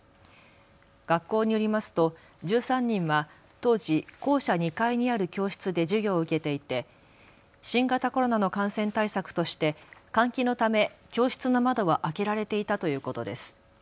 学校によりますと１３人は当時、校舎２階にある教室で授業を受けていて新型コロナの感染対策として換気のため教室の窓は開けられていたということです。